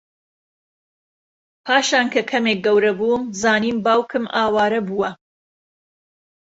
پاشان کە کەمێک گەورەبووم زانیم باوکم ئاوارە بووە